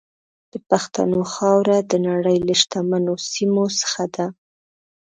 د پښتنو خاوره د نړۍ له شتمنو سیمو څخه ده.